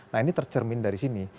nah ini tercermin dari sini